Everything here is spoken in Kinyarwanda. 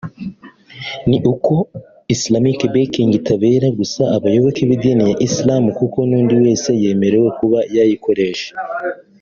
ni uko “Islamic Banking” itareba gusa abayoboke b’idini ya Islam kuko n’undi wese yemerewe kuba yayikoresha